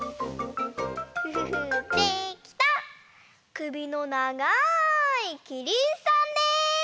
くびのながいキリンさんです！